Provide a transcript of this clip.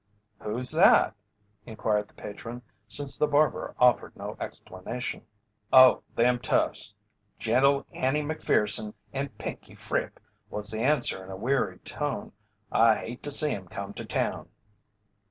"Who's that?" inquired the patron, since the barber offered no explanation. "Oh, them toughs 'Gentle Annie' Macpherson and 'Pinkey' Fripp," was the answer in a wearied tone. "I hate to see 'em come to town."